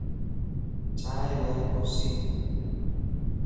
چائين الائي ڪوسيَ